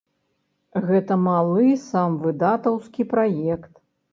Гэта малы самвыдатаўскі праект.